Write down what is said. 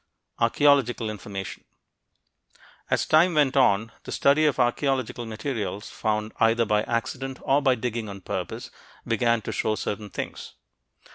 ARCHEOLOGICAL INFORMATION As time went on, the study of archeological materials found either by accident or by digging on purpose began to show certain things.